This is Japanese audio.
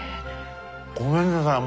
ごめんなさい。